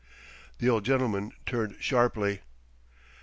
The old gentleman turned sharply.